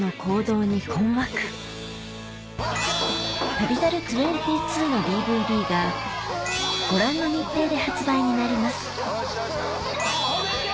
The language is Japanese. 『旅猿２２』のＤＶＤがご覧の日程で発売になります止めて！